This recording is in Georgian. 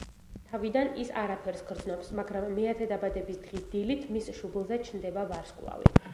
თავიდან ის არაფერს გრძნობს, მაგრამ მეათე დაბადების დღის დილით მის შუბლზე ჩნდება ვარსკვლავი.